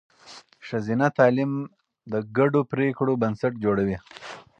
ښځینه تعلیم د ګډو پرېکړو بنسټ جوړوي.